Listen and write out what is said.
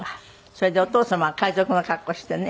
それでお父様は海賊の格好してね。